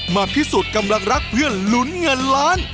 มาพิสูจน์กำลังรักเพื่อลุ้นเงินล้าน